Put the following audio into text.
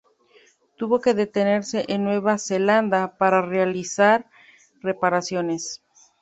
Tuvo que detenerse en Nueva Zelanda para realizar reparaciones.